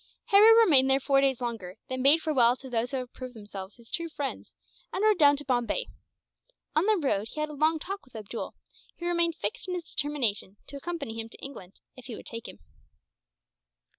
Harry remained there four days longer, then bade farewell to those who had proved themselves his true friends, and rode down to Bombay. On the road he had a long talk with Abdool, who remained fixed in his determination to accompany him to England, if he would take him.